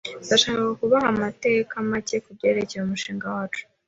Ndashaka kubaha amateka make kubyerekeye umushinga wacu.